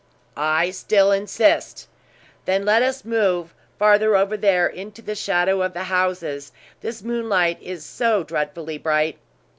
"I still insist!" "Then let us move farther over here into the shadow of the houses; this moonlight is so dreadfully bright!"